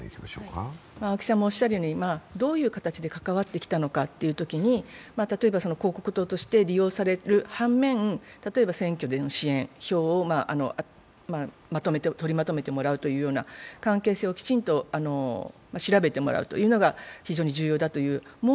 どういう形で関わってきたのかというときに、例えば広告塔として利用される反面、例えば選挙での支援、票を取りまとめてもらうというような関係性をきちんと調べてもらうというのが非常に重要だという。